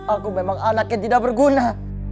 aku memang anak yang tidak berguna